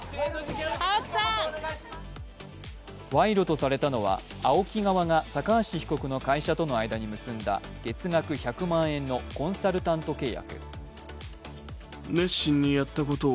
賄賂とされたのは、ＡＯＫＩ側が高橋被告の会社との間に結んだ月額１００万円のコンサルタント契約